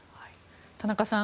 田中さん